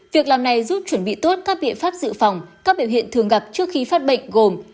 việc làm này giúp chuẩn bị tốt các biện pháp dự phòng các biểu hiện thường gặp trước khi phát bệnh gồm